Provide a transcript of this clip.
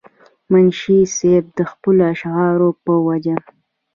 منشي صېب د خپلو اشعارو پۀ وجه